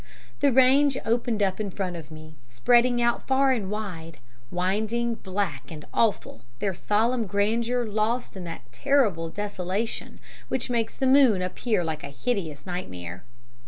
The range opened up in front of me, spreading out far and wide, winding, black and awful their solemn grandeur lost in that terrible desolation which makes the moon appear like a hideous nightmare.